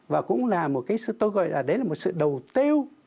và cũng là một cái tôi gọi là đấy là một sự đầu tư